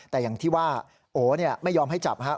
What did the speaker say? แต่อย่างที่ว่าโอเนี้ยไม่ยอมให้จับฮะ